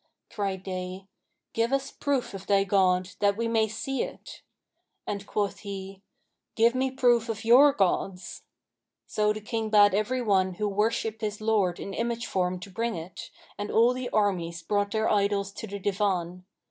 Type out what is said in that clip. Cried they, 'Give us a proof of thy god, that we may see it;' and quoth he, 'Give me proof of your gods.' So the King bade every one who worshipped his lord in image form to bring it, and all the armies brought their idols to the Divan.